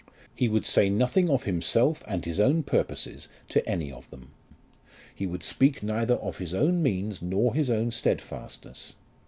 He would say nothing of himself and his own purposes to any of them. He would speak neither of his own means nor his own stedfastness.